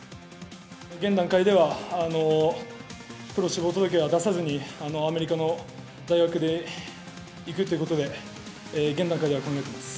現段階では、プロ志望届は出さずに、アメリカの大学で行くっていうことで、現段階では考えてます。